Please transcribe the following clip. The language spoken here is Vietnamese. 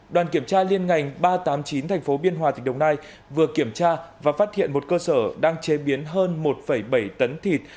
đoàn kiểm tra liên ngành ba trăm tám mươi chín tp biên hòa tỉnh đồng nai vừa kiểm tra và phát hiện một cơ sở đang chế biến hơn một bảy tấn thịt